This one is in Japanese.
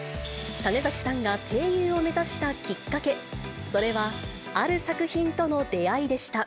種崎さんが声優を目指したきっかけ、それは、ある作品との出会いでした。